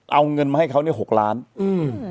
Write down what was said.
เอาเงินมาให้เขาเนี้ยหกล้านอืม